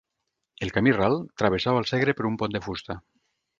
El camí ral travessava el Segre per un pont de fusta.